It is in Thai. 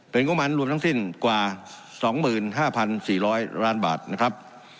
เป็นงบมันรวมทั้งสิ้นกว่า๒๕๔๐๐ล้านบาทนะครับ